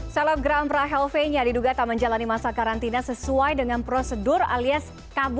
selamat malam pak alex